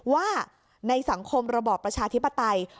ว่าในสังคมระบอบประชาธิปไตย